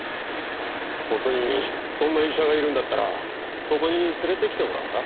本当にそんな医者がいるんだったらここに連れてきてもらおうか。